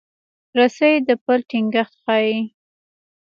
رسۍ د پل ټینګښت ښيي.